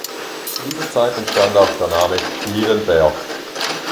Zu dieser Zeit entstand auch der Name "Ehrenberg".